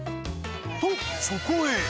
と、そこへ。